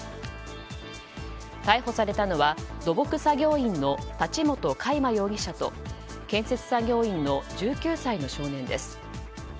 逮捕されたのは土木作業員の立元海舞容疑者と建設作業員の１９歳の少年です。